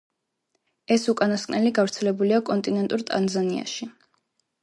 ეს უკანასკნელი გავრცელებულია კონტინენტურ ტანზანიაში.